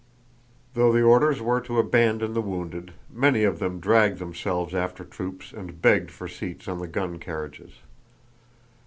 Though the orders were to abandon the wounded, many of them dragged themselves after troops and begged for seats on the gun carriages.